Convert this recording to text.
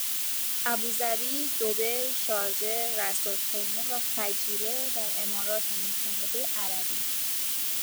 ابوظبی دبی شارجه رأسالخیمه و فجیره در امارات متحده عربی